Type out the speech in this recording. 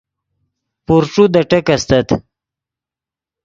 پورݯو دے ٹیک استت